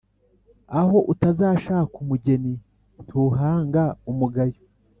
Aho utazashaka umugeni ntuhanga umugayo.